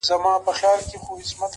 عاجز انسان ډېر محبوب وي’